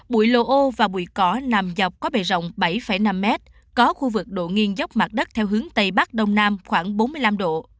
bụi lồ ô và bụi cỏ nằm dọc có bề rộng bảy năm m có khu vực độ nghiêng dốc mặt đất theo hướng tây bắc đông nam khoảng bốn mươi năm độ